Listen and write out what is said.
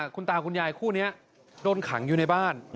คุณตาคุณยายคู่นี้โดนขังอยู่ในบ้าน